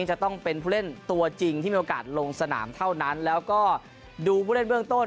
จะต้องเป็นผู้เล่นตัวจริงที่มีโอกาสลงสนามเท่านั้นแล้วก็ดูผู้เล่นเบื้องต้น